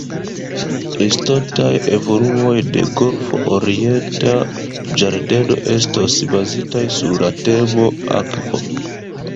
Estontaj evoluoj de Golfo Orienta Ĝardeno estos bazitaj sur la temo 'akvo'.